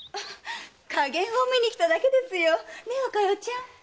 加減を見に来ただけですよ。ねえお加代ちゃん？